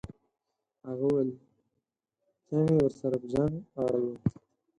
هغه وویل ته مې ورسره په جنګ اړوې.